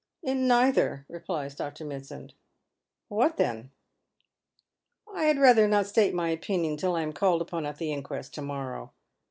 " In neither," replies Dr. Mitsand. "What then?" " I had rather not state my opinion till I am called upon at the inquest to morrow."